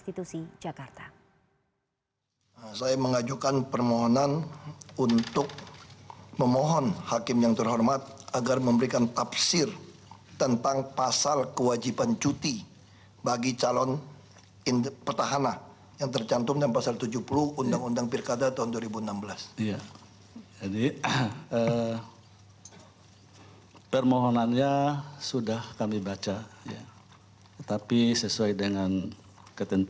tidak melakukan kampanye